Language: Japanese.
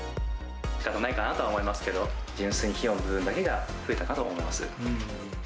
しかたないかなとは思いますけど、純粋に費用の部分だけが増えたかと思います。